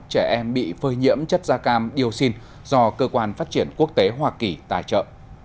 trẻ em bị phơi nhiễm chất da cam dioxin do cơ quan phát triển quốc tế hoa kỳ tài trợ